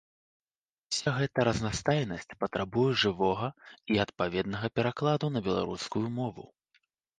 Уся гэта разнастайнасць патрабуе жывога і адпаведнага перакладу на беларускую мову.